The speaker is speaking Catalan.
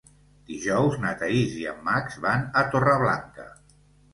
Dijous na Thaís i en Max van a Torreblanca.